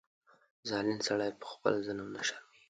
ظالم سړی په خپل ظلم نه شرمېږي.